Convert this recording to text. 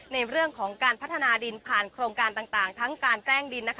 ในเรื่องของการพัฒนาดินผ่านโครงการต่างทั้งการแกล้งดิน